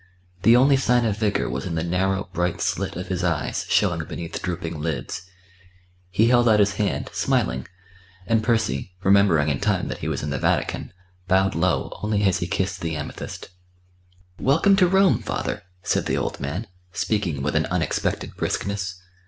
The only sign of vigour was in the narrow bright slit of his eyes showing beneath drooping lids. He held out his hand, smiling, and Percy, remembering in time that he was in the Vatican, bowed low only as he kissed the amethyst. "Welcome to Rome, father," said the old man, speaking with an unexpected briskness.